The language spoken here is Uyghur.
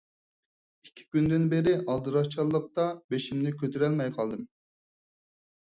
ئىككى كۈندىن بېرى ئالدىراشچىلىقتا بېشىمنى كۆتۈرەلمەي قالدىم.